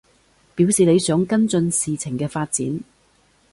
表示你想跟進事情嘅發展